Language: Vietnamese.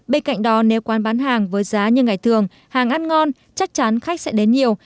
bên cạnh đó nếu quán bán hàng với giá như ngày thường hàng ăn ngon chắc chắn khách sẽ đến nhiều